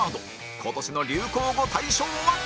今年の流行語大賞は？